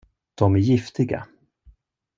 De är giftiga.